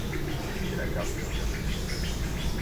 La nit era càlida i jo tenia set.